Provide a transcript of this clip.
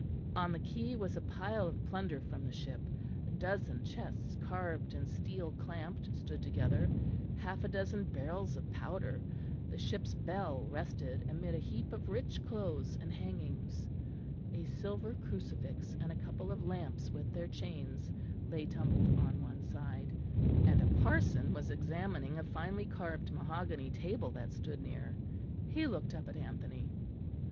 On the quay was a pile of plunder from the ship: a dozen chests carved and steel clamped stood together; half a dozen barrels of powder; the ship's bell rested amid a heap of rich clothes and hangings; a silver crucifix and a couple of lamps with their chains lay tumbled on one side; and a parson was examining a finely carved mahogany table that stood near. He looked up at Anthony.